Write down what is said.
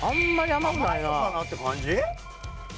甘いのかなって感じ？